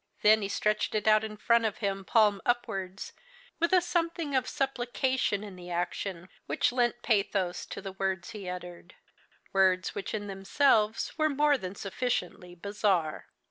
Then he stretched it out in front of him, palm upwards, with a something of supplication in the action which lent pathos to the words he uttered words which in themselves were more than sufficiently bizarre.